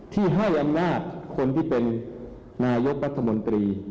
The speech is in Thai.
ที่ให้อำนาจคนที่เป็นนายกรัฐมนตรี